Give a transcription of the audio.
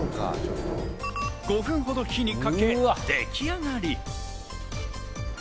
５分ほど火にかけできあがり。